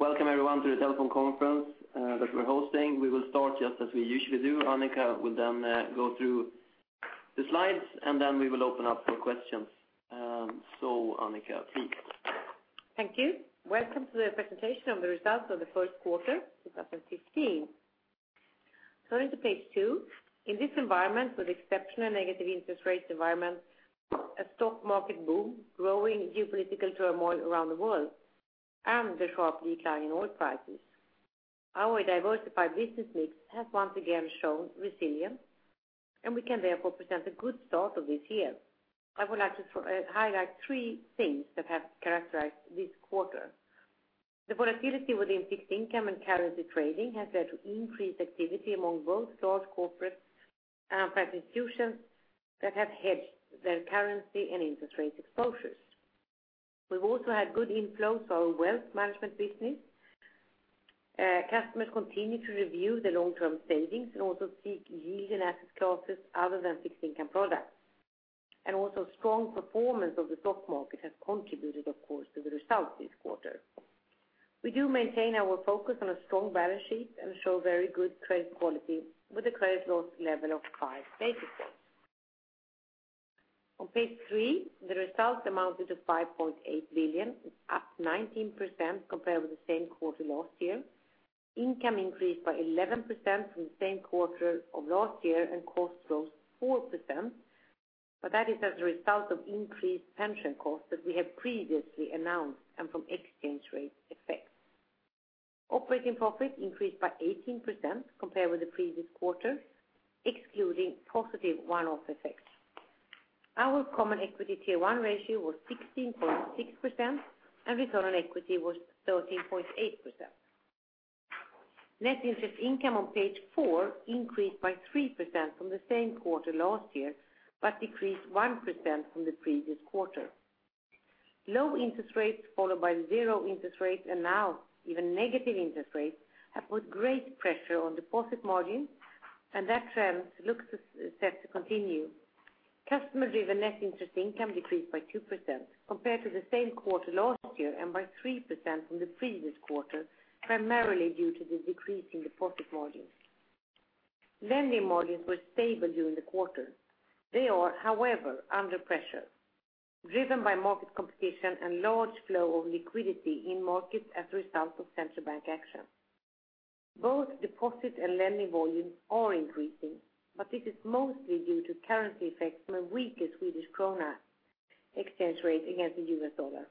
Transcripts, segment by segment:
Welcome everyone to the telephone conference that we're hosting. We will start just as we usually do. Annika will then go through the slides, and then we will open up for questions. Annika, please. Thank you. Welcome to the presentation of the results of the first quarter 2015. Turning to page two. In this environment with exceptional negative interest rate environment, a stock market boom, growing geopolitical turmoil around the world, and the sharp decline in oil prices, our diversified business mix has once again shown resilience, and we can therefore present a good start of this year. I would like to highlight three things that have characterized this quarter. The volatility within fixed income and currency trading has led to increased activity among both large corporates and institutions that have hedged their currency and interest rate exposures. We've also had good inflows to our wealth management business. Customers continue to review the long-term savings and also seek yield in asset classes other than fixed income products. Also strong performance of the stock market has contributed, of course, to the results this quarter. We do maintain our focus on a strong balance sheet and show very good credit quality with a credit loss level of five basis points. On page three, the results amounted to 5.8 billion. It's up 19% compared with the same quarter last year. Income increased by 11% from the same quarter of last year and costs rose 4%, that is as a result of increased pension costs that we have previously announced and from exchange rate effects. Operating profit increased by 18% compared with the previous quarter, excluding positive one-off effects. Our Common Equity Tier 1 ratio was 16.6% and return on equity was 13.8%. Net interest income on page four increased by 3% from the same quarter last year, decreased 1% from the previous quarter. Low interest rates followed by zero interest rates and now even negative interest rates have put great pressure on deposit margins, that trend looks set to continue. Customer-driven Net interest income decreased by 2% compared to the same quarter last year and by 3% from the previous quarter, primarily due to the decrease in deposit margins. Lending margins were stable during the quarter. They are, however, under pressure, driven by market competition and large flow of liquidity in markets as a result of central bank action. Both deposit and lending volumes are increasing, this is mostly due to currency effects from a weaker Swedish krona exchange rate against the US dollar.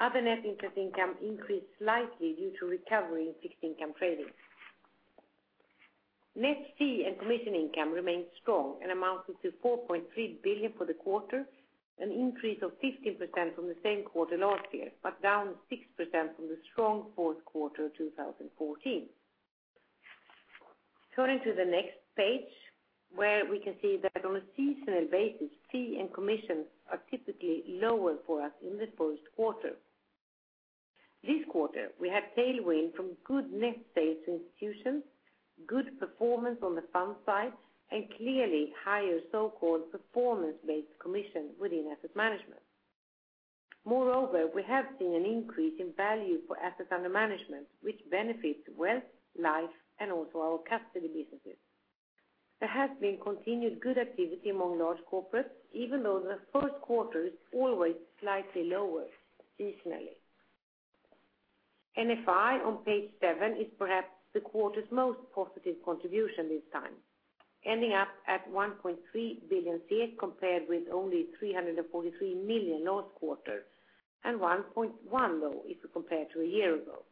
Other Net interest income increased slightly due to recovery in fixed income trading. Net fee and commission income remained strong and amounted to 4.3 billion for the quarter, an increase of 15% from the same quarter last year, but down 6% from the strong fourth quarter 2014. Turning to the next page where we can see that on a seasonal basis, fee and commission are typically lower for us in the first quarter. This quarter we had tailwind from good net sales institutions, good performance on the fund side, and clearly higher so-called performance-based commission within asset management. Moreover, we have seen an increase in value for assets under management, which benefits wealth, life, and also our custody businesses. There has been continued good activity among large corporates, even though the first quarter is always slightly lower seasonally. NFI on page seven is perhaps the quarter's most positive contribution this time, ending up at 1.3 billion compared with only 343 million last quarter, and 1.1 billion though if you compare to a year ago.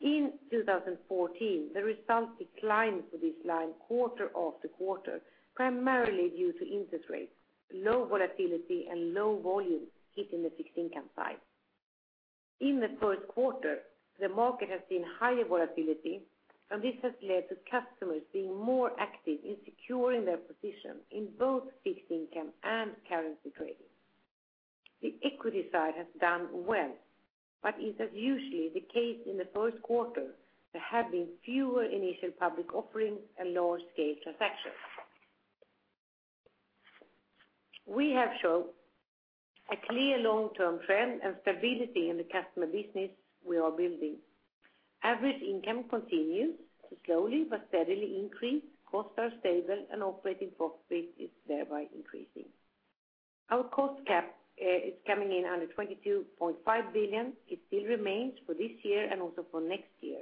In 2014, the results declined for this line quarter after quarter, primarily due to interest rates, low volatility, and low volumes hitting the fixed income side. In the first quarter, the market has seen higher volatility, and this has led to customers being more active in securing their position in both fixed income and currency trading. The equity side has done well, but it is usually the case in the first quarter, there have been fewer initial public offerings and large-scale transactions. We have shown a clear long-term trend and stability in the customer business we are building. Average income continues to slowly but steadily increase, costs are stable, and operating profit is thereby increasing. Our cost cap is coming in under 22.5 billion. It still remains for this year and also for next year.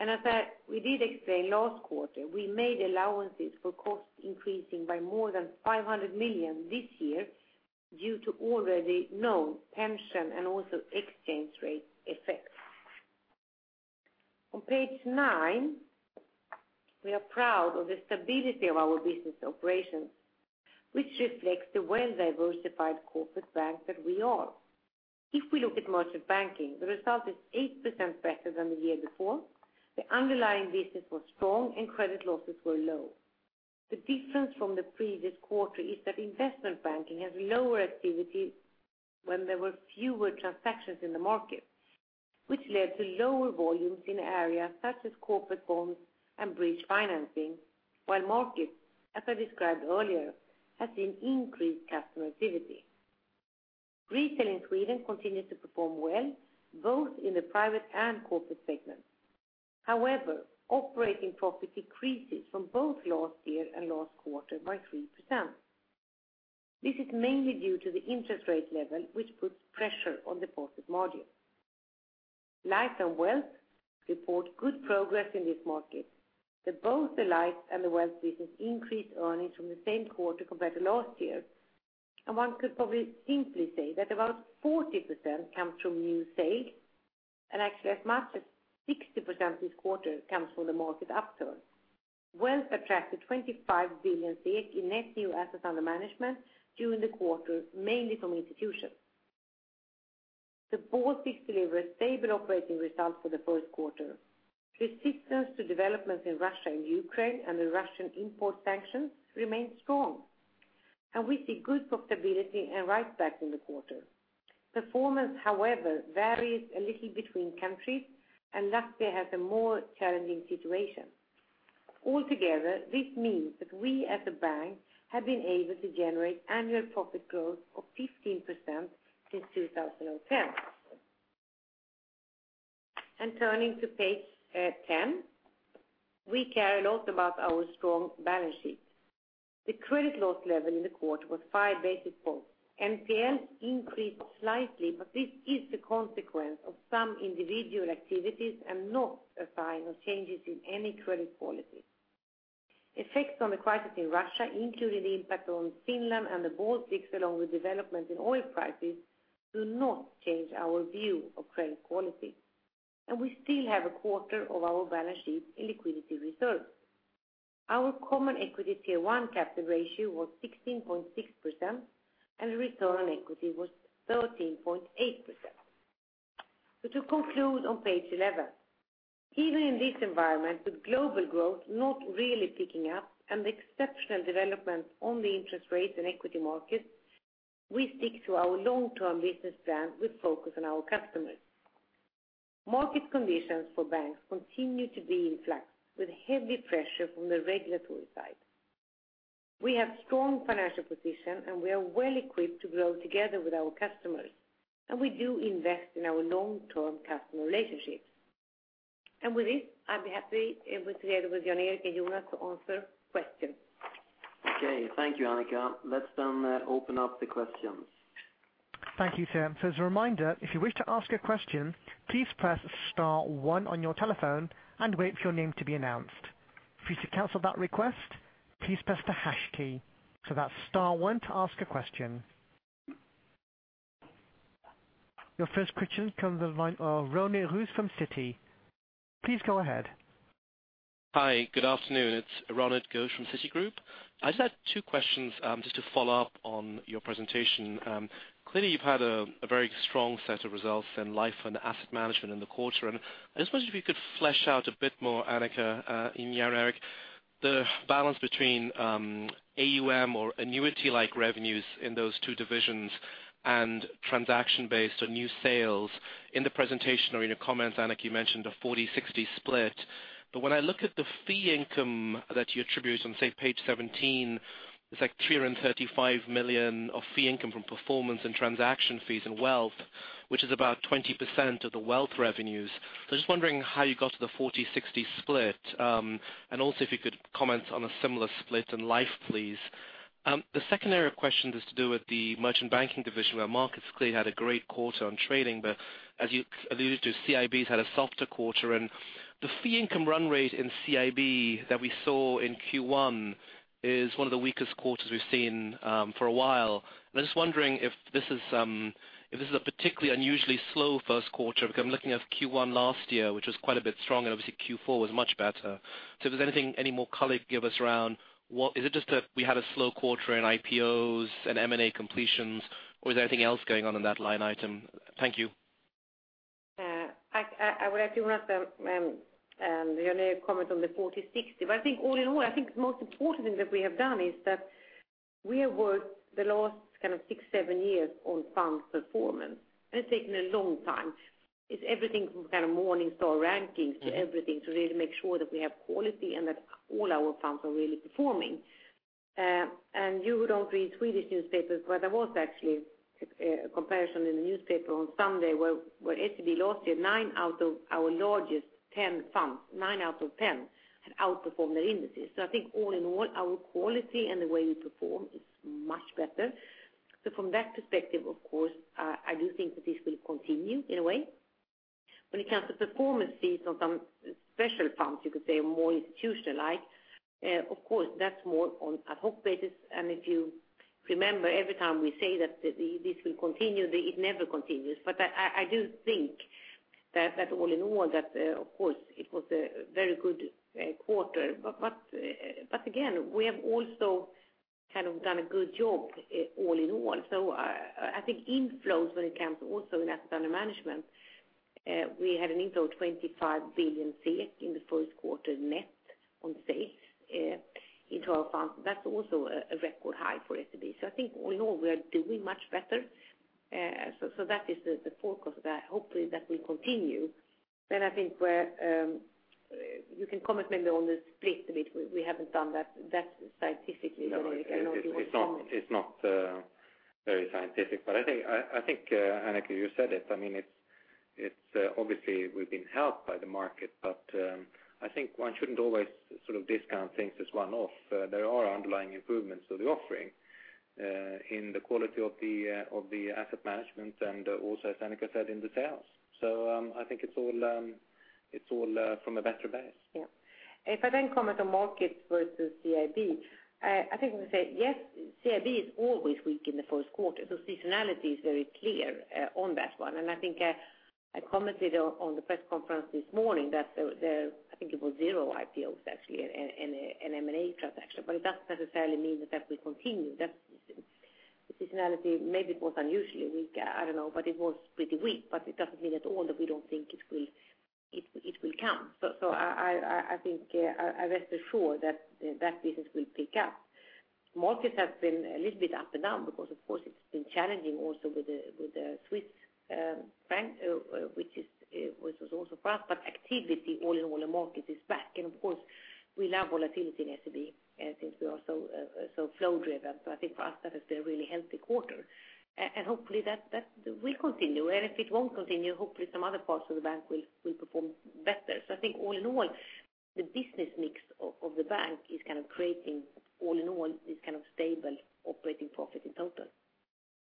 As we did explain last quarter, we made allowances for costs increasing by more than 500 million this year due to already known pension and also exchange rate effects. On page nine, we are proud of the stability of our business operations, which reflects the well-diversified corporate bank that we are. If we look at merchant banking, the result is 8% better than the year before. The underlying business was strong and credit losses were low. The difference from the previous quarter is that investment banking has lower activity when there were fewer transactions in the market, which led to lower volumes in areas such as corporate bonds and bridge financing, while markets, as I described earlier, has seen increased customer activity. Retail in Sweden continues to perform well, both in the private and corporate segment. However, operating profit decreases from both last year and last quarter by 3%. This is mainly due to the interest rate level, which puts pressure on the profit margin. Life and Wealth report good progress in this market. Both the Life and the Wealth business increased earnings from the same quarter compared to last year. One could probably simply say that about 40% comes from new sales and actually as much as 60% this quarter comes from the market upturn. Wealth attracted 25 billion in net new assets under management during the quarter, mainly from institutions. The Baltics delivered stable operating results for the first quarter. Resistance to developments in Russia and Ukraine and the Russian import sanctions remain strong, and we see good profitability and write-backs in the quarter. Performance, however, varies a little between countries and Latvia has a more challenging situation. Altogether, this means that we as a bank have been able to generate annual profit growth of 15% since 2010. Turning to page 10. We care a lot about our strong balance sheet. The credit loss level in the quarter was five basis points. NPLs increased slightly, but this is the consequence of some individual activities and not a sign of changes in any credit quality. Effects on the crisis in Russia, including the impact on Finland and the Baltics, along with developments in oil prices, do not change our view of credit quality. We still have a quarter of our balance sheet in liquidity reserve. Our Common Equity Tier 1 capital ratio was 16.6% and return on equity was 13.8%. To conclude on page 11. Even in this environment with global growth not really picking up and the exceptional developments on the interest rates and equity markets, we stick to our long-term business plan with focus on our customers. Market conditions for banks continue to be in flux with heavy pressure from the regulatory side. We have strong financial position, and we are well equipped to grow together with our customers, and we do invest in our long-term customer relationships. With this, I'll be happy together with Jan-Erik and Jonas to answer questions. Okay, thank you, Annika. Let's open up the questions. Thank you, Tim. As a reminder, if you wish to ask a question, please press star one on your telephone and wait for your name to be announced. If you wish to cancel that request, please press the hash key. That's star one to ask a question. Your first question comes on the line of Ronit Ghose from Citi. Please go ahead. Hi, good afternoon. It's Ronit Ghose from Citigroup. I just had two questions to follow up on your presentation. Clearly, you've had a very strong set of results in life and asset management in the quarter, and I just wonder if you could flesh out a bit more, Annika and Jan-Erik, the balance between AUM or annuity-like revenues in those two divisions and transaction-based or new sales. In the presentation or in your comments, Annika, you mentioned a 40/60 split. When I look at the fee income that you attribute on, say, page 17, it's like 335 million of fee income from performance and transaction fees and Wealth, which is about 20% of the Wealth revenues. I'm just wondering how you got to the 40/60 split. And also if you could comment on a similar split in life, please. The second area of questions is to do with the merchant banking division, where markets clearly had a great quarter on trading, as you alluded to, CIB's had a softer quarter. The fee income run rate in CIB that we saw in Q1 is one of the weakest quarters we've seen for a while. I'm just wondering if this is a particularly unusually slow first quarter, because I'm looking at Q1 last year, which was quite a bit strong, and obviously Q4 was much better. If there's anything any more color you could give us around, is it just that we had a slow quarter in IPOs and M&A completions, or is there anything else going on in that line item? Thank you. I would ask Jonas and Jan-Erik comment on the 40/60. I think all in all, I think the most important thing that we have done is that we have worked the last six, seven years on fund performance. It's taken a long time. It's everything from Morningstar rankings to everything to really make sure that we have quality and that all our funds are really performing. You who don't read Swedish newspapers, there was actually a comparison in the newspaper on Sunday where SEB last year, nine out of our largest 10 funds, nine out of 10 have outperformed their indices. I think all in all, our quality and the way we perform is much better. From that perspective, of course, I do think that this will continue in a way. When it comes to performance fees on some special funds, you could say more institutionalized, of course, that's more on ad hoc basis. If you remember, every time we say that this will continue, it never continues. I do think that all in all that, of course, it was a very good quarter. Again, we have also done a good job all in all. I think inflows when it comes also in asset under management, we had an inflow of 25 billion SEK in the first quarter net on sales in total funds. That's also a record high for SEB. I think all in all, we are doing much better. That is the forecast that hopefully that will continue. I think where you can comment maybe on the split a bit, we haven't done that scientifically, Ronit. I know you want to comment. It's not very scientific, but I think, Annika, you said it. Obviously we've been helped by the market, but I think one shouldn't always discount things as one-off. There are underlying improvements. The offering in the quality of the asset management and also, as Annika said, in the sales. I think it's all from a better base. Yeah. If I comment on markets versus CIB, I think we say yes, CIB is always weak in the first quarter. The seasonality is very clear on that one. I think I commented on the press conference this morning that there, I think it was zero IPOs actually in an M&A transaction, but it doesn't necessarily mean that will continue. That the seasonality maybe was unusually weak. I don't know, but it was pretty weak, but it doesn't mean at all that we don't think it will come. I think I rest assured that business will pick up. Markets have been a little bit up and down because of course it's been challenging also with the Swiss bank, which was also for us, but activity all in all the market is back. Of course, we love volatility in SEB since we are so flow-driven. I think for us, that has been a really healthy quarter. Hopefully that will continue. If it won't continue, hopefully some other parts of the bank will perform better. I think all in all, the business mix of the bank is creating all in all this kind of stable operating profit in total.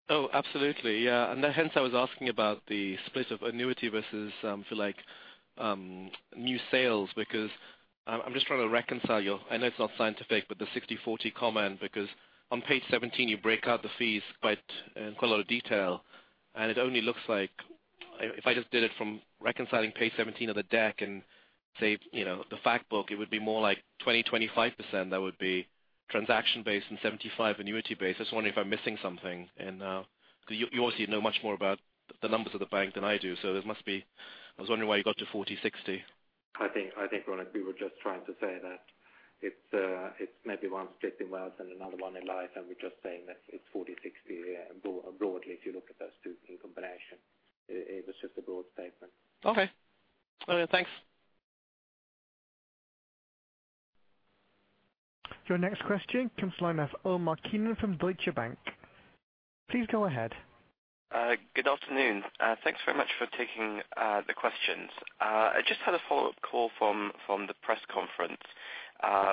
Oh, absolutely. Yeah. Hence I was asking about the split of annuity versus new sales, because I'm just trying to reconcile your I know it's not scientific, but the 60/40 comment, because on page 17, you break out the fees in quite a lot of detail, and it only looks like if I just did it from reconciling page 17 of the deck and say, the fact book, it would be more like 20%-25% that would be transaction based and 75% annuity based. I was wondering if I'm missing something and you obviously know much more about the numbers of the bank than I do, so I was wondering why you got to 40/60. I think, Ronit, we were just trying to say that it's maybe one split in Wealth and another one in life, and we're just saying that it's 40/60 broadly, if you look at those two in combination. It was just a broad statement. Okay. Thanks. Your next question comes line of Omar Keenan from Deutsche Bank. Please go ahead. Good afternoon. Thanks very much for taking the questions. I just had a follow-up call from the press conference,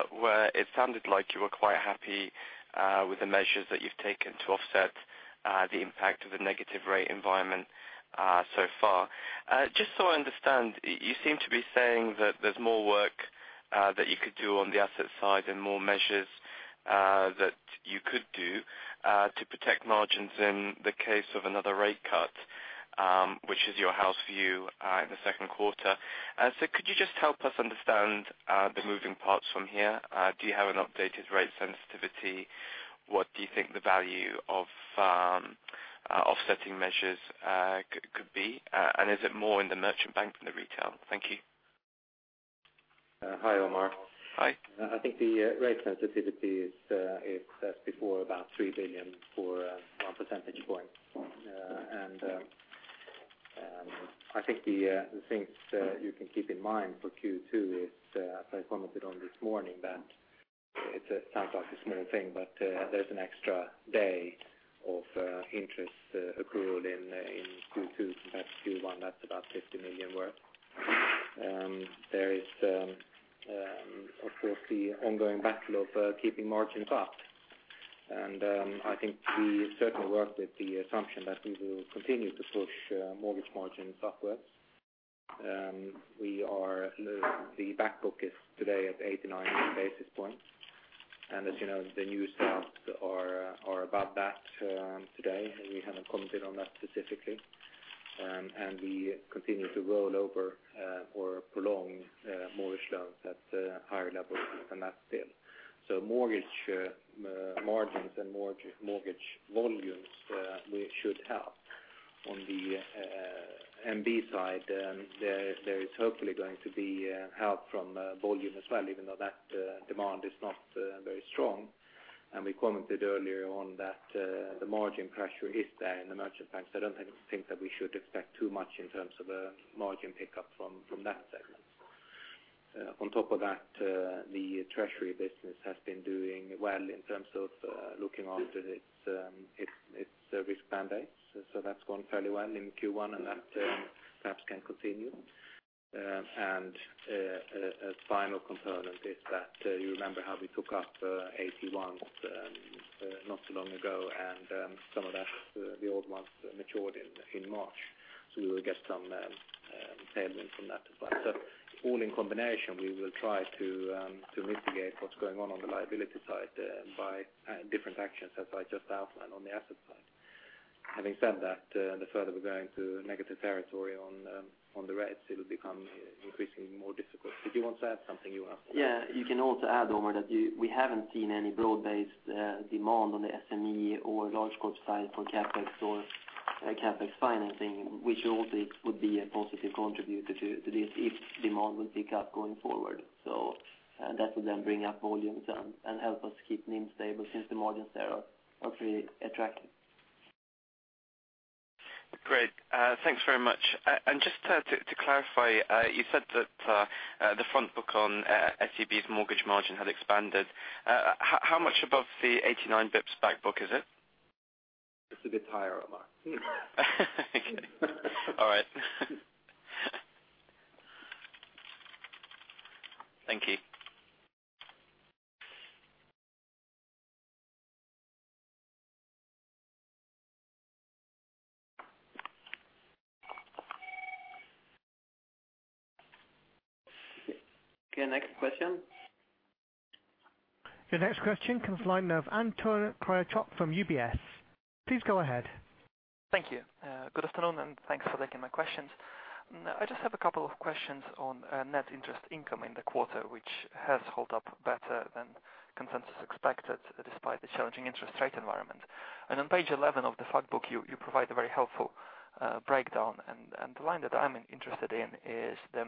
where it sounded like you were quite happy with the measures that you've taken to offset the impact of the negative rate environment so far. Just so I understand, you seem to be saying that there's more work that you could do on the asset side and more measures that you could do to protect margins in the case of another rate cut, which is your house view in the second quarter. Could you just help us understand the moving parts from here? Do you have an updated rate sensitivity? What do you think the value of offsetting measures could be? Is it more in the merchant bank than the retail? Thank you. Hi, Omar. Hi. I think the rate sensitivity is as before about 3 billion for one percentage point. I think the things you can keep in mind for Q2 is as I commented on this morning that it sounds like a small thing, but there's an extra day of interest accrual in Q2 compared to Q1. That's about 50 million worth. There is of course the ongoing battle of keeping margins up. I think we certainly work with the assumption that we will continue to push mortgage margins upwards. The back book is today at 89 basis points, and as you know, the new sales are above that today. We haven't commented on that specifically. We continue to roll over or prolong mortgage loans at higher levels than that still. Mortgage margins and mortgage volumes should help on the MBS side. There is hopefully going to be help from volume as well, even though that demand is not very strong. We commented earlier on that the margin pressure is there in the merchant banks. I don't think that we should expect too much in terms of a margin pickup from that segment. On top of that, the treasury business has been doing well in terms of looking after its risk mandates. That's gone fairly well in Q1, and that perhaps can continue. A final component is that you remember how we took up AT1s not too long ago, and some of the old ones matured in March. We will get some payment from that as well. All in combination, we will try to mitigate what's going on on the liability side by different actions as I just outlined on the asset side. Having said that, the further we're going to negative territory on the rates, it'll become increasingly more difficult. Did you want to add something, Jonas? Yeah. You can also add, Omar, that we haven't seen any broad-based demand on the SME or large corp side for CapEx or CapEx financing, which also would be a positive contributor to this if demand would pick up going forward. That would then bring up volumes and help us keep NIM stable since the margins there are hopefully attractive. Great. Thanks very much. Just to clarify, you said that the front book on SEB's mortgage margin had expanded. How much above the 89 basis points back book is it? It's a bit higher, Omar. Okay. All right. Thank you. Okay, next question. The next question comes the line of [Anton Kryuchkov] from UBS. Please go ahead. Thank you. Good afternoon, thanks for taking my questions. I just have a couple of questions on net interest income in the quarter, which has held up better than consensus expected despite the challenging interest rate environment. On page 11 of the fact book, you provide a very helpful breakdown, and the line that I'm interested in is the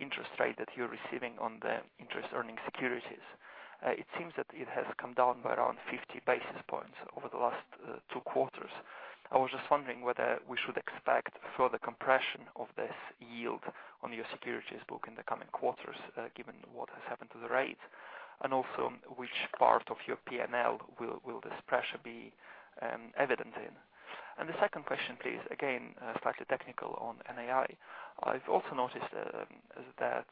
interest rate that you're receiving on the interest earning securities. It seems that it has come down by around 50 basis points over the last two quarters. I was just wondering whether we should expect further compression of this yield on your securities book in the coming quarters, given what has happened to the rates, and also which part of your P&L will this pressure be evident in. The second question, please, again, slightly technical on NII. I've also noticed that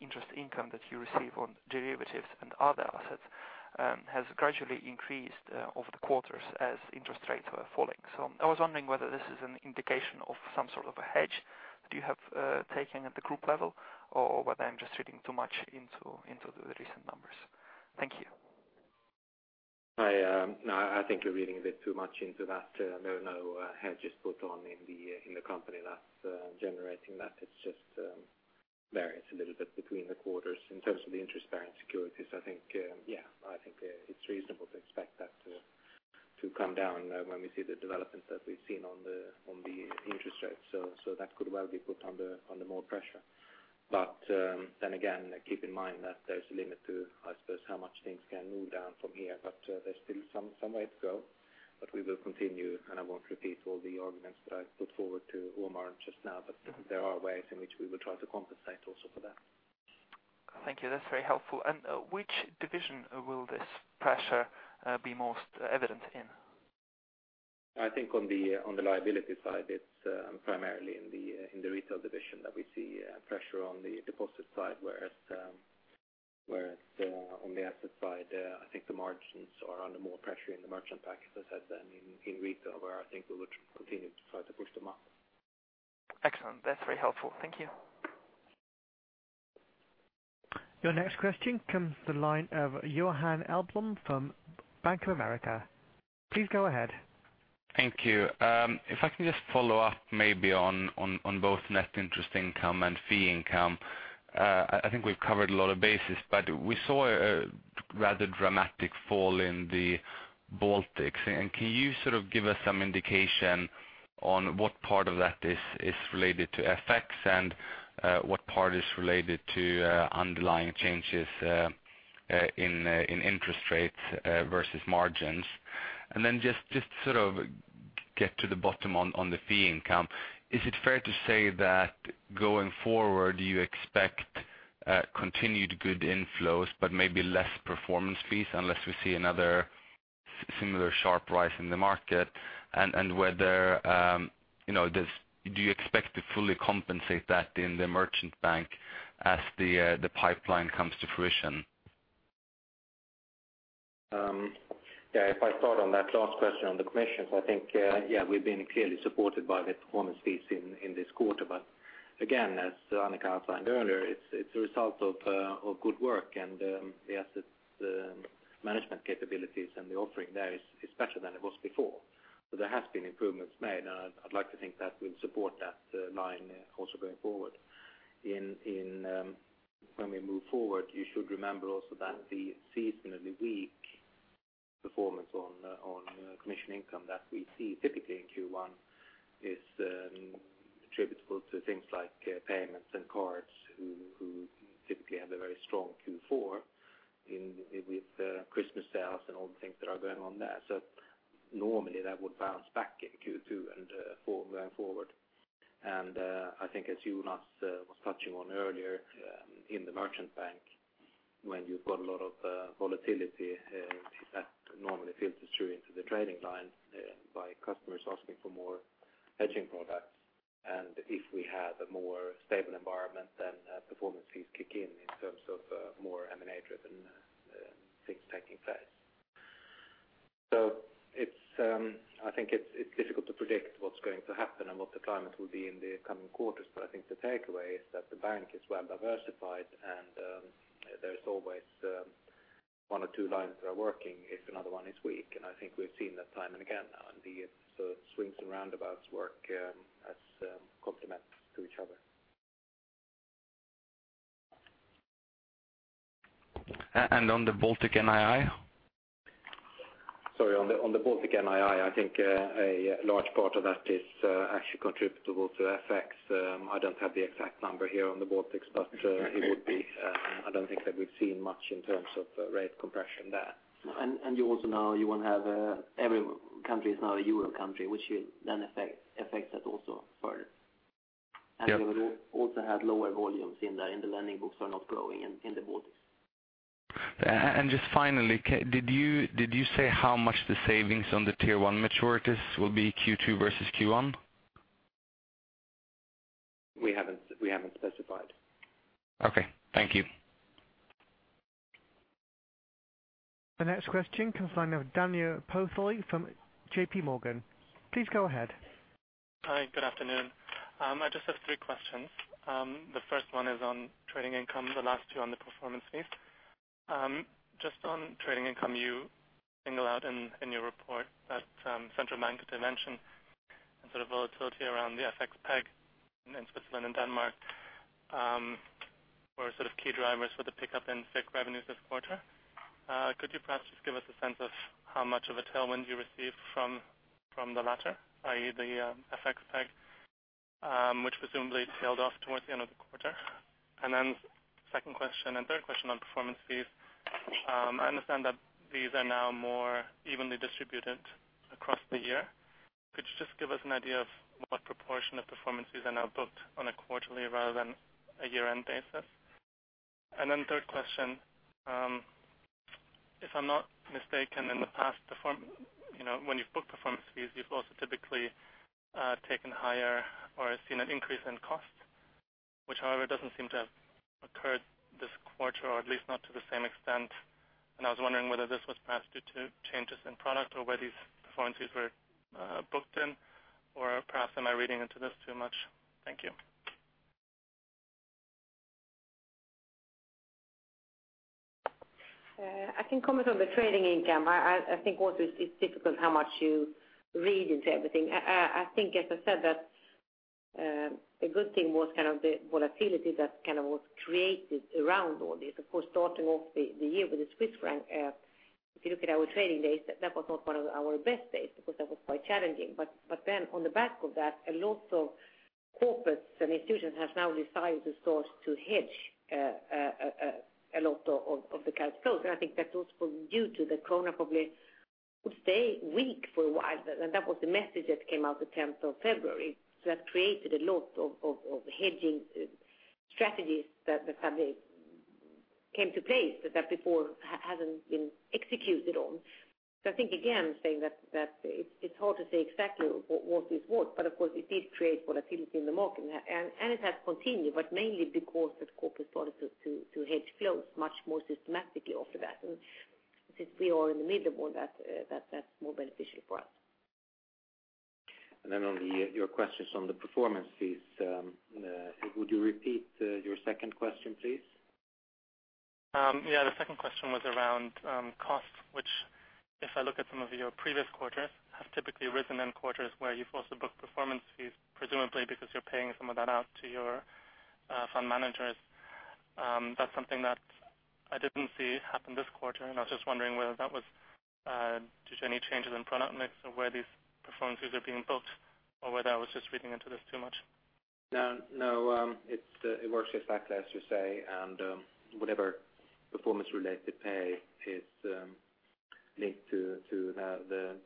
interest income that you receive on derivatives and other assets has gradually increased over the quarters as interest rates were falling. I was wondering whether this is an indication of some sort of a hedge that you have taken at the group level, or whether I'm just reading too much into the recent numbers. Thank you. I think you're reading a bit too much into that. There are no hedges put on in the company that's generating that. It just varies a little bit between the quarters. In terms of the interest bearing securities, I think it's reasonable to expect that to come down when we see the developments that we've seen on the interest rates. That could well be put under more pressure. Again, keep in mind that there's a limit to, I suppose, how much things can move down from here. There's still some way to go, we will continue, I won't repeat all the arguments that I put forward to Omar just now, there are ways in which we will try to compensate also for that. Thank you. That's very helpful. Which division will this pressure be most evident in? I think on the liability side, it's primarily in the retail division that we see pressure on the deposit side, whereas on the asset side, I think the margins are under more pressure in the merchant bank, as I said, than in retail, where I think we would continue to try to boost them up. Excellent. That's very helpful. Thank you. Your next question comes the line of [Johan Ahlbom] from Bank of America. Please go ahead. Thank you. If I can just follow up maybe on both net interest income and fee income. I think we've covered a lot of bases, but we saw a rather dramatic fall in the Baltics. Can you give us some indication on what part of that is related to FX and what part is related to underlying changes in interest rates versus margins? Just to get to the bottom on the fee income, is it fair to say that going forward, you expect continued good inflows, but maybe less performance fees unless we see another similar sharp rise in the market? Do you expect to fully compensate that in the merchant bank as the pipeline comes to fruition? Yeah, if I start on that last question on the commissions, I think yeah, we've been clearly supported by the performance fees in this quarter. Again, as Annika outlined earlier, it's a result of good work and the asset management capabilities and the offering there is better than it was before. There has been improvements made, and I'd like to think that will support that line also going forward. When we move forward, you should remember also that the seasonally weak performance on commission income that we see typically in Q1 is attributable to things like payments and cards who typically have a very strong Q4 with Christmas sales and all the things that are going on there. Normally that would bounce back in Q2 and going forward. I think as Jonas was touching on earlier, in the merchant bank, when you've got a lot of volatility, that normally filters through into the trading line by customers asking for more hedging products. If we have a more stable environment, then performance fees kick in in terms of more M&A-driven things taking place. I think it's difficult to predict what's going to happen and what the climate will be in the coming quarters. I think the takeaway is that the bank is well diversified, and there's always one or two lines that are working if another one is weak. I think we've seen that time and again now, and the swings and roundabouts work as complements to each other. On the Baltic NII? Sorry, on the Baltic NII, I think a large part of that is actually attributable to FX. I don't have the exact number here on the Baltics, but it would be. I don't think that we've seen much in terms of rate compression there. You also now won't have every country is now a Euro country, which will then affect that also further. Yeah. We would also have lower volumes in the lending books are not growing in the Baltics. Just finally, did you say how much the savings on the Tier 1 maturities will be Q2 versus Q1? We haven't specified. Okay. Thank you. The next question comes from Daniel Pawsey from JPMorgan. Please go ahead. Hi, good afternoon. I just have three questions. The first one is on trading income, the last two on the performance fees. Just on trading income, you single out in your report that central bank intervention and volatility around the FX peg in Switzerland and Denmark were key drivers for the pickup in FICC revenues this quarter. Could you perhaps just give us a sense of how much of a tailwind you received from the latter, i.e., the FX peg, which presumably tailed off towards the end of the quarter? Second question and third question on performance fees. I understand that these are now more evenly distributed across the year. Could you just give us an idea of what proportion of performance fees are now booked on a quarterly rather than a year-end basis? Third question, if I'm not mistaken, in the past, when you've booked performance fees, you've also typically taken higher or seen an increase in cost, which, however, doesn't seem to have occurred this quarter, or at least not to the same extent. I was wondering whether this was perhaps due to changes in product or where these performance fees were booked in, or perhaps am I reading into this too much? Thank you. I can comment on the trading income. I think also it's difficult how much you read into everything. I think, as I said, that a good thing was the volatility that was created around all this. Of course, starting off the year with the Swiss franc, if you look at our trading days, that was not one of our best days because that was quite challenging. On the back of that, a lot of corporates and institutions have now decided to start to hedge a lot of the cash flow. I think that was due to the krona probably would stay weak for a while. That was the message that came out the 10th of February. That created a lot of hedging strategies that suddenly came to place that before hadn't been executed on. I think, again, saying that it's hard to say exactly what is what, but of course it did create volatility in the market, and it has continued, but mainly because the corporate started to hedge flows much more systematically after that. Since we are in the middle of all that's more beneficial for us. On your questions on the performance fees, would you repeat your second question, please? The second question was around costs, which if I look at some of your previous quarters, have typically risen in quarters where you've also booked performance fees, presumably because you're paying some of that out to your fund managers. That's something that I didn't see happen this quarter, and I was just wondering whether that was due to any changes in product mix of where these performance fees are being booked or whether I was just reading into this too much. No, it works exactly as you say, and whatever performance-related pay is linked to the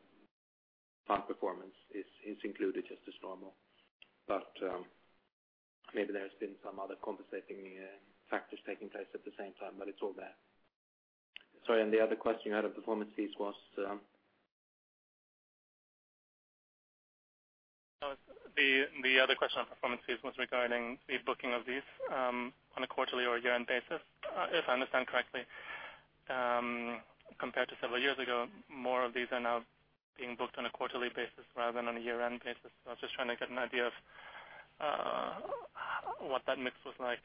fund performance is included just as normal. But maybe there's been some other compensating factors taking place at the same time, but it's all there. Sorry, the other question you had of performance fees was? The other question on performance fees was regarding the booking of these on a quarterly or a year-end basis. If I understand correctly, compared to several years ago, more of these are now being booked on a quarterly basis rather than on a year-end basis. I was just trying to get an idea of what that mix was like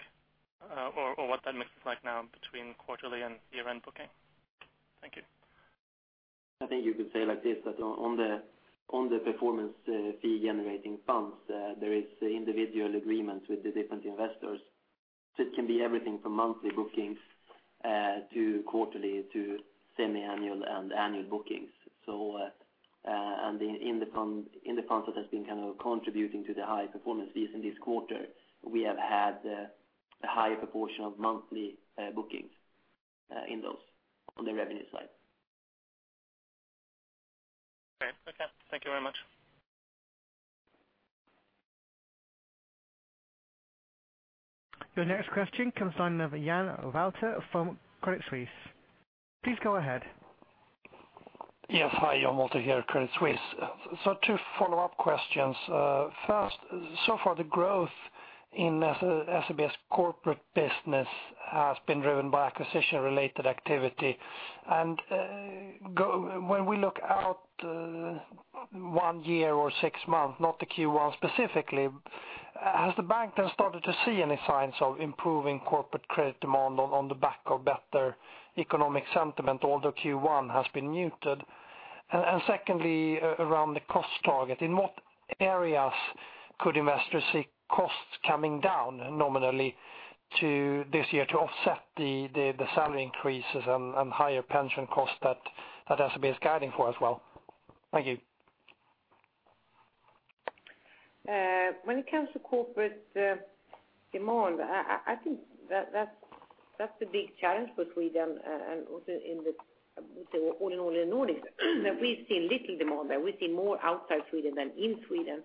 or what that mix is like now between quarterly and year-end booking. Thank you. I think you could say like this, that on the performance fee generating funds, there is individual agreements with the different investors. It can be everything from monthly bookings to quarterly to semi-annual and annual bookings. In the funds that has been contributing to the high performance fees in this quarter, we have had a higher proportion of monthly bookings in those on the revenue side. Okay. Thank you very much. Your next question comes from Jan-Arndt Wolter from Credit Suisse. Please go ahead. Yes. Hi, Jan-Arndt Wolter here, Credit Suisse. Two follow-up questions. First, so far the growth in SEB's corporate business has been driven by acquisition-related activity. When we look out one year or six months, not the Q1 specifically, has the bank then started to see any signs of improving corporate credit demand on the back of better economic sentiment, although Q1 has been muted? Secondly, around the cost target, in what areas could investors see costs coming down nominally this year to offset the salary increases and higher pension costs that SEB is guiding for as well? Thank you. When it comes to corporate demand, I think that's the big challenge for Sweden and also all in all in the Nordics, that we see little demand there. We see more outside Sweden than in Sweden.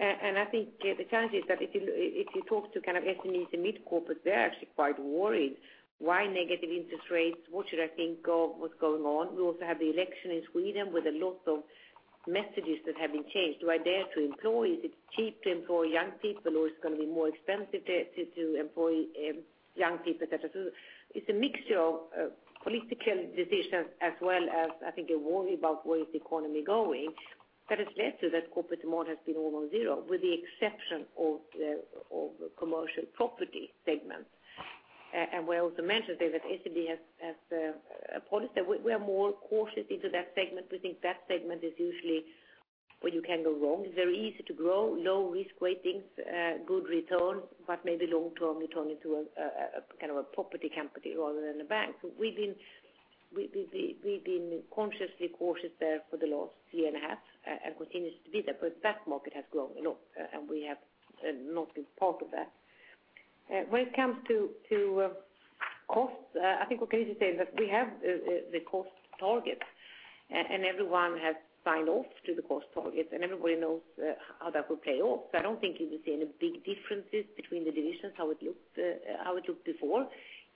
I think the challenge is that if you talk to SMEs and mid-corporate, they're actually quite worried. Why negative interest rates? What should I think of what's going on? We also have the election in Sweden with a lot of messages that have been changed. Do I dare to employ? Is it cheap to employ young people, or it's going to be more expensive to employ young people? It's a mixture of political decisions as well as, I think, a worry about where is the economy going that has led to that corporate demand has been almost zero, with the exception of the commercial property segment. We also mentioned that SEB has a policy that we are more cautious into that segment. We think that segment is usually where you can go wrong. It's very easy to grow, low risk weightings, good return, but maybe long-term you turn into a property company rather than a bank. We've been consciously cautious there for the last three and a half, and continues to be there, but that market has grown a lot, and we have not been part of that. When it comes to costs, I think we can easily say that we have the cost target, and everyone has signed off to the cost target, and everybody knows how that will play off. I don't think you will see any big differences between the divisions, how it looked before.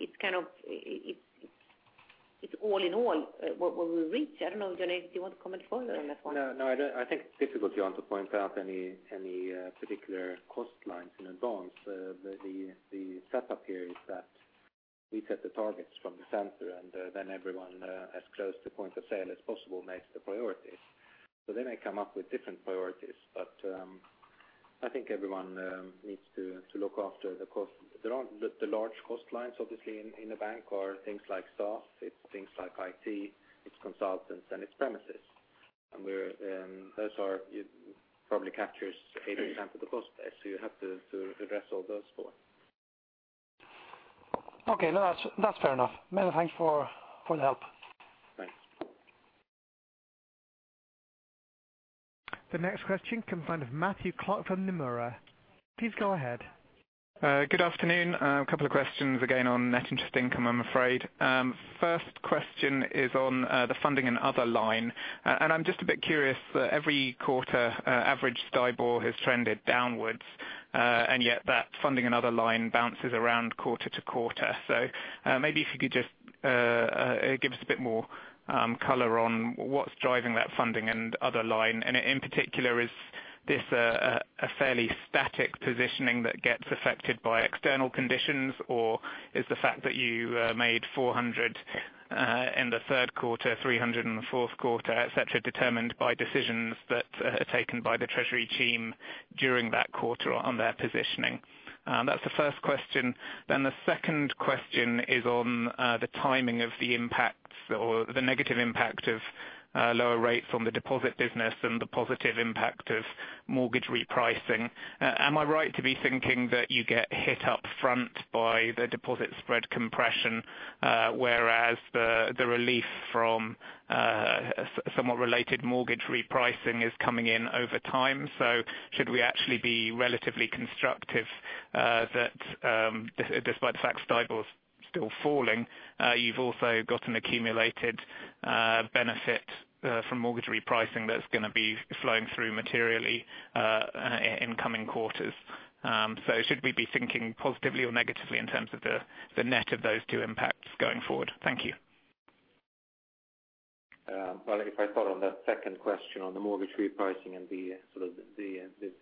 It's all in all what we reach. I don't know, Jonas, do you want to comment further on that one? I think it's difficult, Johan, to point out any particular cost lines in advance. The setup here is that we set the targets from the center, and then everyone as close to point of sale as possible makes the priorities. They may come up with different priorities, but I think everyone needs to look after the cost. The large cost lines, obviously, in a bank are things like staff, it's things like IT, it's consultants, and it's premises. Those are probably captures 80% of the cost base. You have to address all those four. Okay. That's fair enough. Many thanks for the help. Thanks. The next question comes from Matthew Clark from Nomura. Please go ahead. Good afternoon. A couple of questions again on net interest income, I'm afraid. First question is on the funding and other line. I'm just a bit curious that every quarter average STIBOR has trended downwards, and yet that funding and other line bounces around quarter-to-quarter. Maybe if you could just give us a bit more color on what's driving that funding and other line. In particular, is this a fairly static positioning that gets affected by external conditions? Or is the fact that you made 400 in the third quarter, 300 in the fourth quarter, et cetera, determined by decisions that are taken by the treasury team during that quarter on their positioning? That's the first question. The second question is on the timing of the impacts or the negative impact of lower rates on the deposit business and the positive impact of mortgage repricing. Am I right to be thinking that you get hit up front by the deposit spread compression, whereas the relief from somewhat related mortgage repricing is coming in over time? Should we actually be relatively constructive that despite the fact STIBOR is still falling, you've also got an accumulated benefit from mortgage repricing that's going to be flowing through materially in coming quarters? Should we be thinking positively or negatively in terms of the net of those two impacts going forward? Thank you. If I start on that second question on the mortgage repricing and the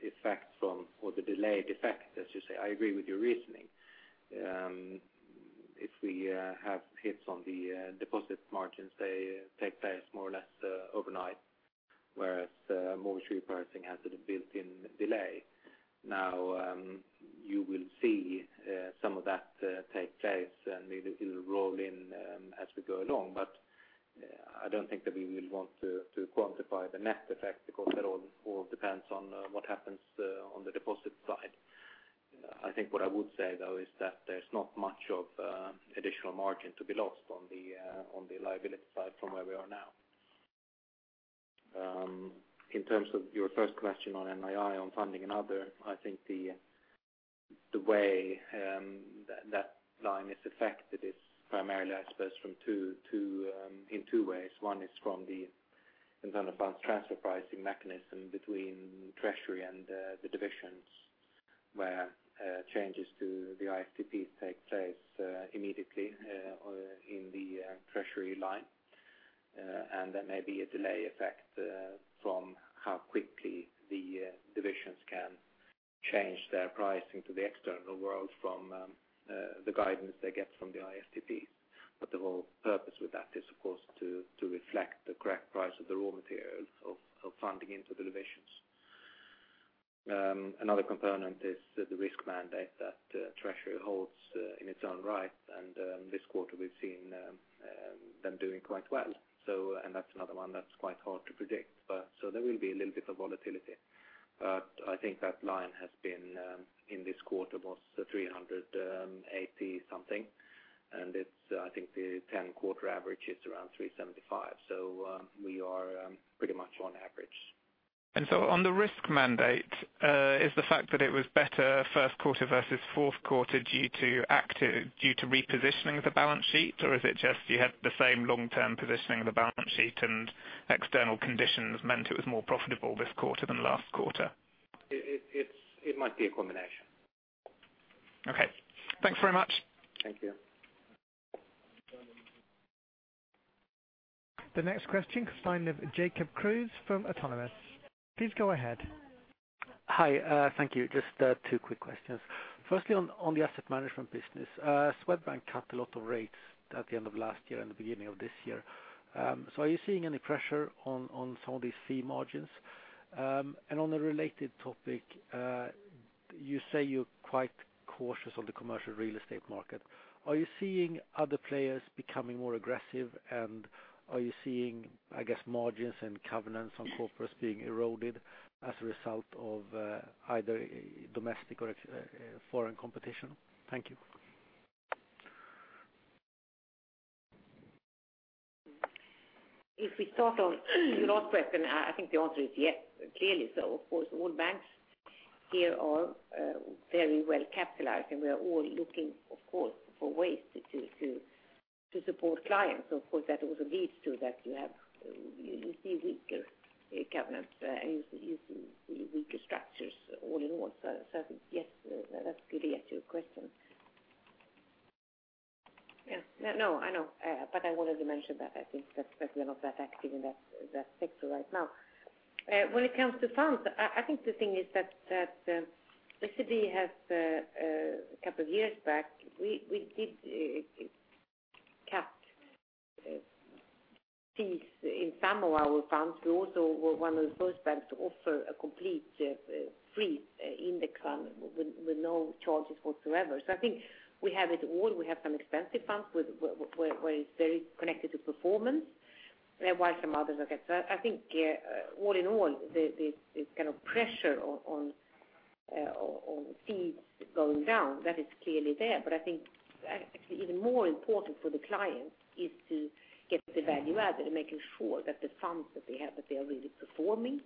effect from or the delayed effect, as you say, I agree with your reasoning. If we have hits on the deposit margins, they take place more or less overnight, whereas mortgage repricing has a built-in delay. Now you will see some of that take place, and it'll roll in as we go along. I don't think that we will want to quantify the net effect because that all depends on what happens on the deposit side. I think what I would say, though, is that there's not much of additional margin to be lost on the liability side from where we are now. In terms of your first question on NII, on funding and other, I think the way that line is affected is primarily, I suppose, in two ways. One is from the internal funds transfer pricing mechanism between treasury and the divisions, where changes to the ITPs take place immediately in the treasury line. There may be a delay effect from how quickly the divisions can change their pricing to the external world from the guidance they get from the ITPs. The whole purpose with that is, of course, to reflect the correct price of the raw materials of funding into the divisions. Another component is the risk mandate that treasury holds in its own right. This quarter we've seen them doing quite well. That's another one that's quite hard to predict. There will be a little bit of volatility. I think that line has been in this quarter was 380 something, and I think the 10-quarter average is around 375. We are pretty much on average. On the risk mandate, is the fact that it was better first quarter versus fourth quarter due to repositioning of the balance sheet? Or is it just you had the same long-term positioning of the balance sheet and external conditions meant it was more profitable this quarter than last quarter? It might be a combination. Okay. Thanks very much. Thank you. The next question is signed with Jacob Kruse from Autonomous. Please go ahead. Hi. Thank you. Just two quick questions. Firstly, on the asset management business. Swedbank cut a lot of rates at the end of last year and the beginning of this year. Are you seeing any pressure on some of these fee margins? On a related topic, you say you're quite cautious on the commercial real estate market. Are you seeing other players becoming more aggressive? Are you seeing margins and covenants on corporates being eroded as a result of either domestic or foreign competition? Thank you. If we start on your last question, I think the answer is yes. Clearly so. Of course, all banks here are very well capitalized. We are all looking, of course, for ways to support clients. Of course, that also leads to that you see weaker covenants and you see weaker structures all in all. I think yes, that's clearly a yes to your question. No, I know. I wanted to mention that I think that we are not that active in that sector right now. When it comes to funds, I think the thing is that SEB has, a couple of years back, we did cut fees in some of our funds. We also were one of the first banks to offer a complete free index fund with no charges whatsoever. I think we have it all. We have some expensive funds where it's very connected to performance, while some others are cut. I think all in all, this pressure on fees going down, that is clearly there. I think actually even more important for the client is to get the value added and making sure that the funds that they have, that they are really performing.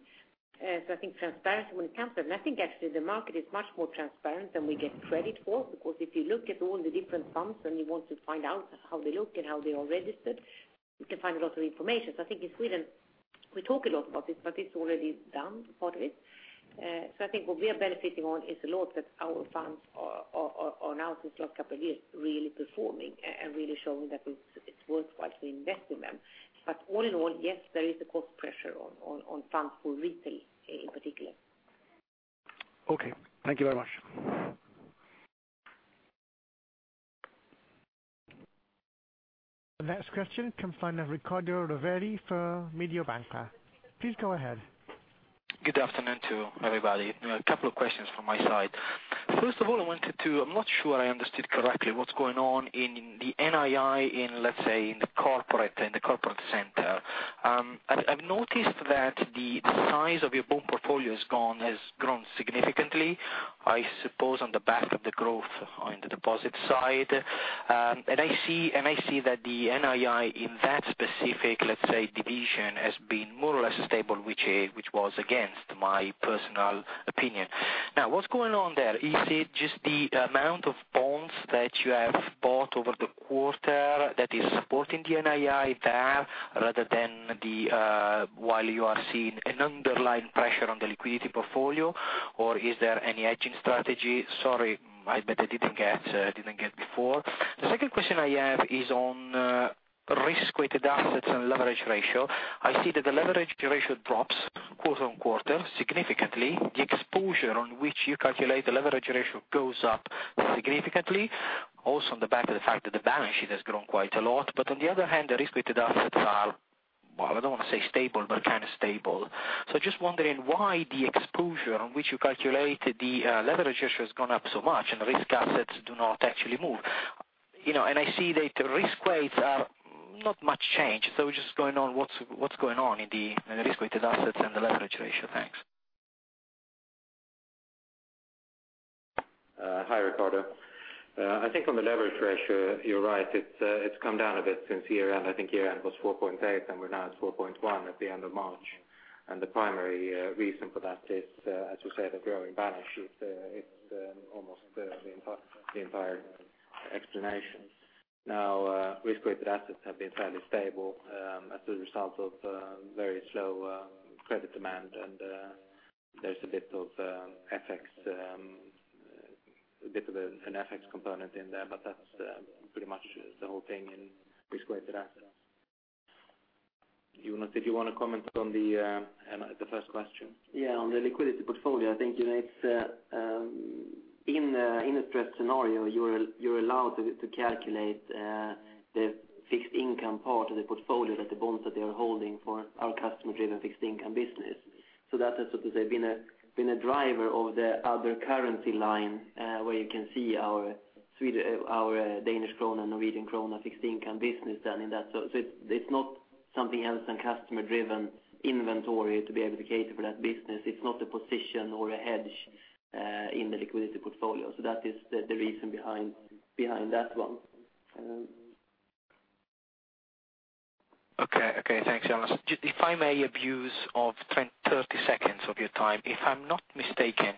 I think transparency when it comes to it. I think actually the market is much more transparent than we get credit for, because if you look at all the different funds and you want to find out how they look and how they are registered, you can find a lot of information. I think in Sweden, we talk a lot about this, but it's already done, part of it. I think what we are benefiting on is a lot that our funds are now, since last couple of years, really performing and really showing that it is worthwhile to invest in them. All in all, yes, there is a cost pressure on funds for retail in particular. Okay. Thank you very much. The next question comes from Riccardo Rovere for Mediobanca. Please go ahead. Good afternoon to everybody. A couple of questions from my side. First of all, I'm not sure I understood correctly what is going on in the NII in, let's say, in the corporate center. I have noticed that the size of your bond portfolio has grown significantly, I suppose on the back of the growth on the deposit side. I see that the NII in that specific, let's say, division has been more or less stable, which was against my personal opinion. Now, what is going on there? Is it just the amount of bonds that you have bought over the quarter that is supporting the NII there rather than while you are seeing an underlying pressure on the liquidity portfolio? Or is there any hedging strategy? Sorry, I bet I did not get before. The second question I have is on risk-weighted assets and leverage ratio. I see that the leverage ratio drops quarter-on-quarter significantly. The exposure on which you calculate the leverage ratio goes up significantly, also on the back of the fact that the balance sheet has grown quite a lot. On the other hand, the risk-weighted assets are, well, I don't want to say stable, but kind of stable. Just wondering why the exposure on which you calculate the leverage ratio has gone up so much and risk assets do not actually move. I see that risk weights are not much changed. Just what's going on in the risk-weighted assets and the leverage ratio? Thanks. Hi, Riccardo. I think on the leverage ratio, you're right. It's come down a bit since year-end. I think year-end was 4.8, we're now at 4.1 at the end of March. The primary reason for that is, as you said, a growing balance sheet. It's almost the entire explanation. Risk-weighted assets have been fairly stable as a result of very slow credit demand, there's a bit of an FX component in there, but that's pretty much the whole thing in risk-weighted assets. Jonas, did you want to comment on the first question? On the liquidity portfolio, I think it's In a stress scenario, you're allowed to calculate the fixed income part of the portfolio that the bonds that they are holding for our customer-driven fixed income business. That has, so to say, been a driver of the other currency line where you can see our Danish krone, Norwegian krone fixed income business then in that. It's not something else than customer-driven inventory to be able to cater for that business. It's not a position or a hedge in the liquidity portfolio. That is the reason behind that one. Okay. Thanks, Jonas. If I may abuse 30 seconds of your time. If I'm not mistaken,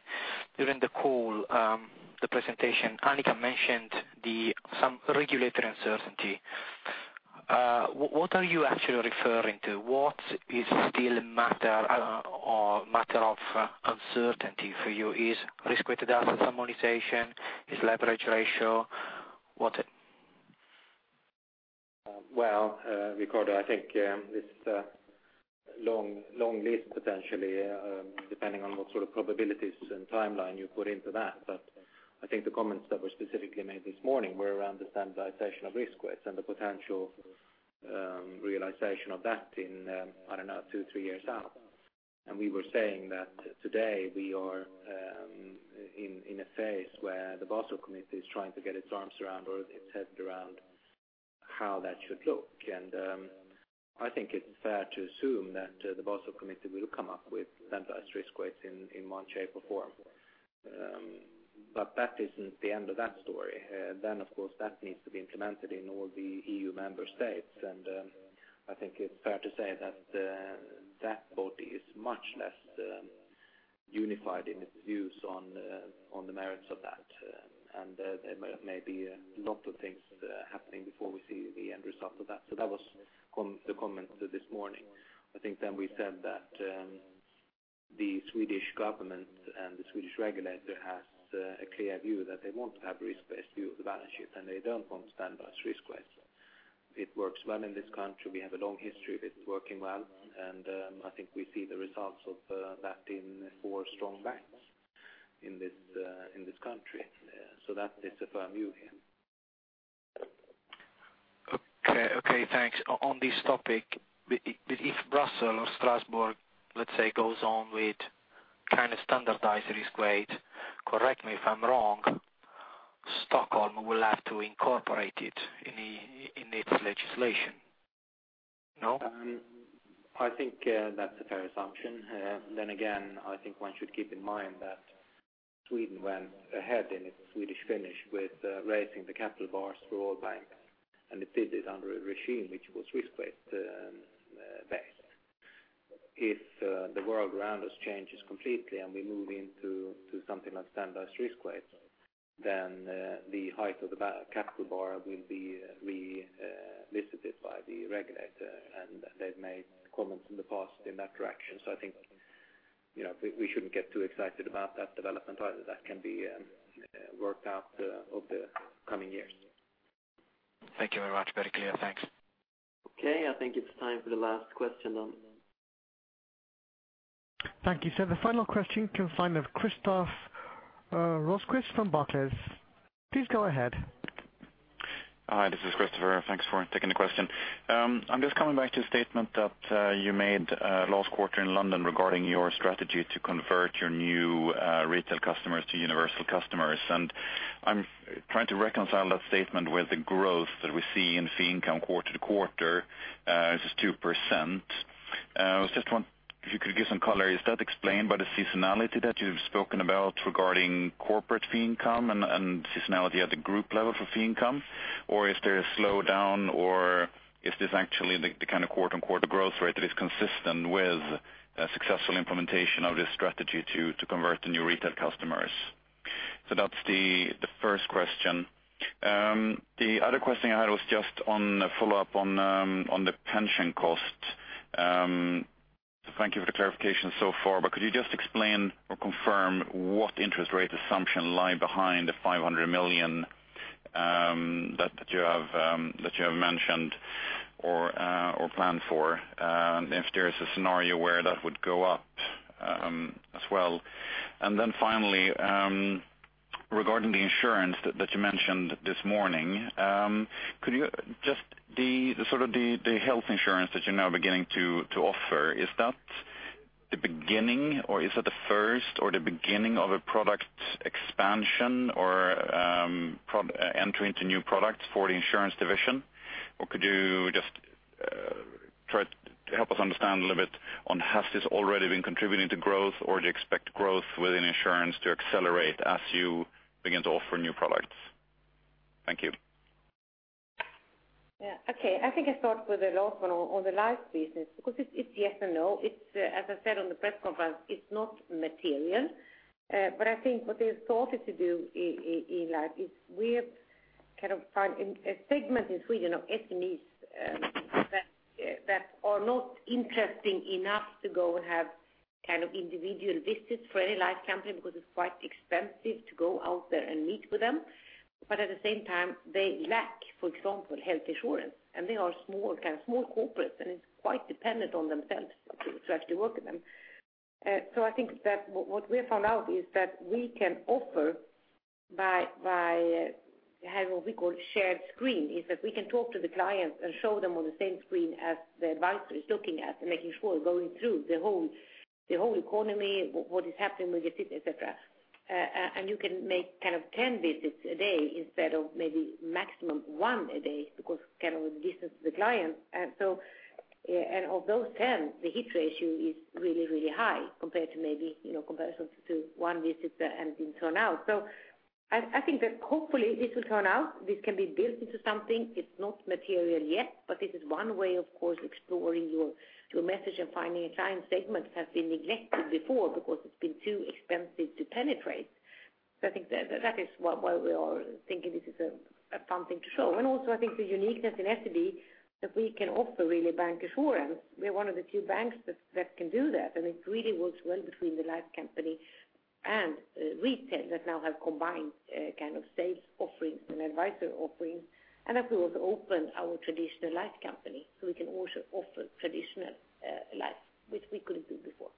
during the call, the presentation, Annika mentioned some regulatory uncertainty. What are you actually referring to? What is still a matter of uncertainty for you? Is risk-weighted assets harmonization, is leverage ratio, what? Well, Riccardo, I think it's a long list potentially, depending on what sort of probabilities and timeline you put into that. I think the comments that were specifically made this morning were around the standardization of risk weights and the potential realization of that in, I don't know, two, three years out. We were saying that today we are in a phase where the Basel Committee is trying to get its arms around or its head around how that should look. I think it's fair to assume that the Basel Committee will come up with standardized risk weights in one shape or form. That isn't the end of that story. Of course, that needs to be implemented in all the EU member states, and I think it's fair to say that that body is much less unified in its views on the merits of that. There may be a lot of things happening before we see the end result of that. That was the comment this morning. I think we said that the Swedish government and the Swedish regulator has a clear view that they want to have risk-based view of the balance sheet, and they don't want standardized risk weights. It works well in this country. We have a long history of it working well, and I think we see the results of that in four strong banks in this country. That is a firm view here. Okay, thanks. On this topic, if Brussels or Strasbourg, let's say, goes on with trying to standardize risk weight, correct me if I'm wrong, Stockholm will have to incorporate it in its legislation. No? I think that's a fair assumption. Again, I think one should keep in mind that Sweden went ahead in its [Swedish finish] with raising the capital bars for all banks, and it did it under a regime which was risk-weight based. If the world around us changes completely and we move into something like standardized risk weights, then the height of the capital bar will be revisited by the regulator. They've made comments in the past in that direction. I think we shouldn't get too excited about that development either. That can be worked out over the coming years. Thank you very much. Very clear. Thanks. Okay, I think it's time for the last question then. Thank you, sir. The final question comes in with Kristoff Carlegrim from Barclays. Please go ahead. Hi, this is Kristofer. Thanks for taking the question. I'm just coming back to a statement that you made last quarter in London regarding your strategy to convert your new retail customers to universal customers. I'm trying to reconcile that statement with the growth that we see in fee income quarter-to-quarter, which is 2%. I was just wondering if you could give some color. Is that explained by the seasonality that you've spoken about regarding corporate fee income and seasonality at the group level for fee income, or is there a slowdown, or is this actually the kind of quarter-on-quarter growth rate that is consistent with a successful implementation of this strategy to convert the new retail customers? That's the first question. The other question I had was just on a follow-up on the pension cost. Thank you for the clarification so far, but could you just explain or confirm what interest rate assumption lie behind the 500 million that you have mentioned or planned for, if there is a scenario where that would go up as well? Finally, regarding the insurance that you mentioned this morning, the health insurance that you're now beginning to offer, is that the beginning, or is it the first or the beginning of a product expansion or entry into new products for the insurance division? Could you just try to help us understand a little bit on has this already been contributing to growth, or do you expect growth within insurance to accelerate as you begin to offer new products? Thank you. Okay. I think I start with the last one on the life business, because it's yes and no. As I said on the press conference, it's not material. I think what we have sought to do in life is we have found a segment in Sweden of SMEs that are not interesting enough to go and have individual visits for any life company because it's quite expensive to go out there and meet with them. At the same time, they lack, for example, health insurance, and they are small corporates, and it's quite dependent on themselves to actually work with them. I think that what we have found out is that we can offer by having what we call shared screen, is that we can talk to the clients and show them on the same screen as the advisor is looking at and making sure we're going through the whole economy, what is happening with the city, et cetera. You can make 10 visits a day instead of maybe maximum one a day because of the distance to the clients. Of those 10, the hit ratio is really high compared to maybe comparisons to one visit and being turned down. I think that hopefully this will turn out, this can be built into something. It's not material yet, but this is one way, of course, exploring your message and finding a client segment that has been neglected before because it's been too expensive to penetrate. I think that is why we are thinking this is a fun thing to show. Also I think the uniqueness in SEB, that we can offer really bancassurance. We are one of the few banks that can do that, and it really works well between the life company and retail that now have combined sales offerings and advisor offerings, and that we will open our traditional life company so we can also offer traditional life, which we couldn't do before.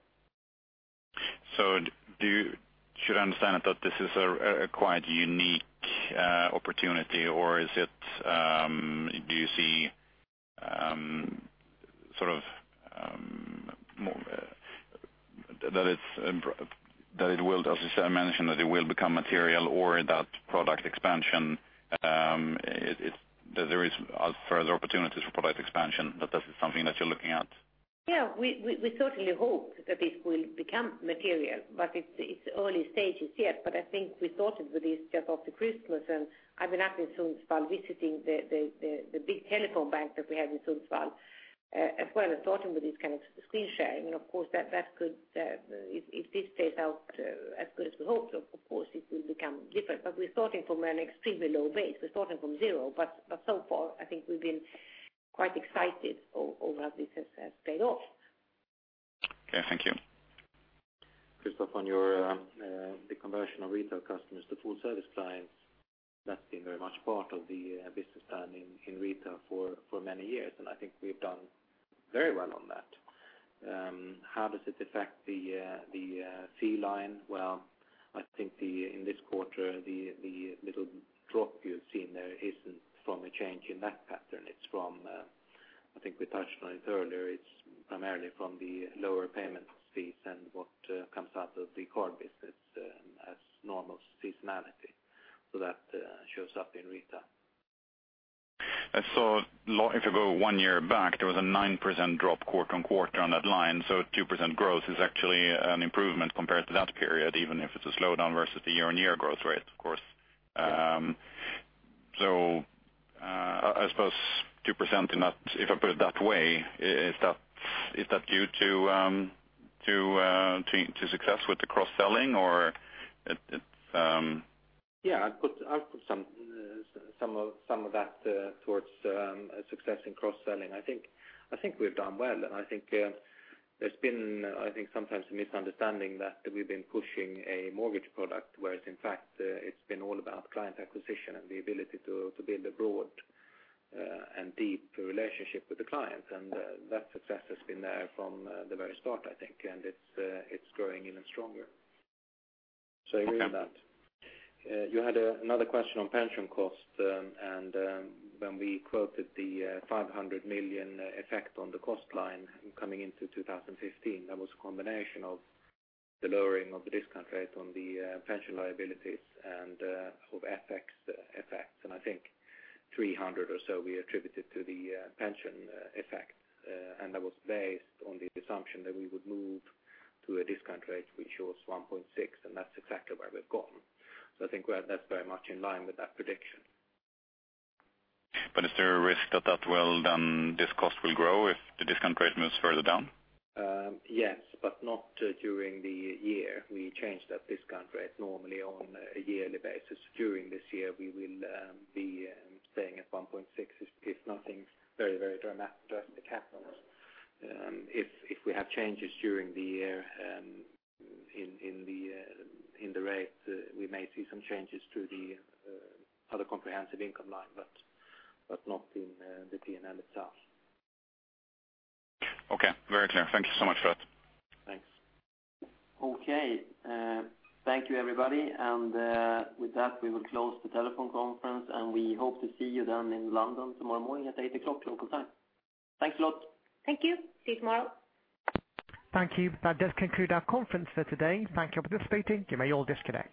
Should I understand it that this is a quite unique opportunity? Do you see that it will, as you mentioned, that it will become material or that there is further opportunities for product expansion, that this is something that you're looking at? We certainly hope that this will become material, but it's early stages yet. I think we started with this just after Christmas, and I've been up in Sundsvall visiting the big telephone bank that we have in Sundsvall, as well as starting with this kind of screen sharing. Of course, if this plays out as good as we hope, of course it will become different. We're starting from an extremely low base. We're starting from zero. So far, I think we've been quite excited over how this has played off. Okay, thank you. Kristoff, on the conversion of retail customers to full service clients, that's been very much part of the business plan in retail for many years, and I think we've done very well on that. How does it affect the fee line? I think in this quarter, the little drop you've seen there isn't from a change in that pattern. It's from, I think we touched on it earlier, it's primarily from the lower payment fees and what comes out of the core business as normal seasonality. That shows up in retail. If you go one year back, there was a 9% drop quarter-on-quarter on that line. 2% growth is actually an improvement compared to that period, even if it's a slowdown versus the year-on-year growth rate, of course. I suppose 2% in that, if I put it that way, is that due to success with the cross-selling or it's I'll put some of that towards success in cross-selling. I think we've done well. I think there's been, sometimes a misunderstanding that we've been pushing a mortgage product, whereas in fact, it's been all about client acquisition and the ability to build a broad and deep relationship with the client. That success has been there from the very start, I think, and it's growing even stronger. Agree with that. You had another question on pension cost, when we quoted the 500 million effect on the cost line coming into 2015, that was a combination of the lowering of the discount rate on the pension liabilities and of FX effects. I think 300 or so we attributed to the pension effect. That was based on the assumption that we would move to a discount rate which was 1.6, and that's exactly where we've gone. I think that's very much in line with that prediction. Is there a risk that that well done discount will grow if the discount rate moves further down? Yes, not during the year. We change that discount rate normally on a yearly basis. During this year, we will be staying at 1.6 if nothing very dramatic happens. If we have changes during the year in the rate, we may see some changes to the other comprehensive income line, but not in the P&L itself. Okay. Very clear. Thank you so much for that. Thanks. Okay. Thank you everybody. With that, we will close the telephone conference, and we hope to see you then in London tomorrow morning at 8:00 A.M. local time. Thanks a lot. Thank you. See you tomorrow. Thank you. That does conclude our conference for today. Thank you for participating. You may all disconnect.